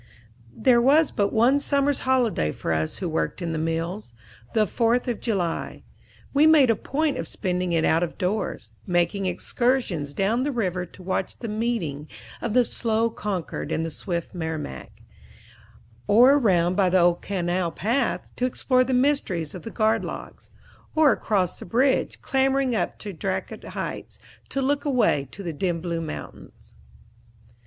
There was but one summers holiday for us who worked in the mills the Fourth of July. We made a point of spending it out of doors, making excursions down the river to watch the meeting of the slow Concord and the swift Merrimack; or around by the old canal path, to explore the mysteries of the Guard Locks; or across the bridge, clambering up Dracut Heights, to look away to the dim blue mountains.